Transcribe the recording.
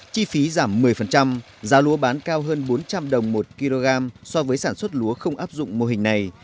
chi phí giảm một mươi giá lúa bán cao hơn bốn trăm linh đồng một kg so với sản xuất lúa không áp dụng mô hình này